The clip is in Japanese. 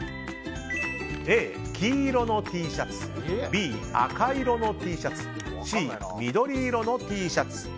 Ａ、黄色のＴシャツＢ、赤色のＴシャツＣ、緑色のＴシャツ。